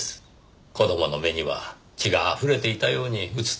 子供の目には血があふれていたように映ったのでしょう。